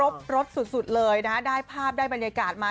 ครบรสสุดเลยนะได้ภาพได้บรรยากาศมา